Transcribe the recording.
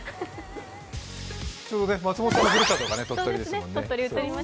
ちょうど松本さんのふるさとが鳥取ですね。